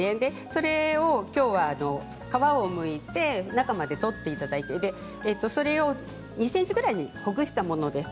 それをきょうは皮をむいて中まで取っていただいてそれを２ｃｍぐらいにほぐしたものです。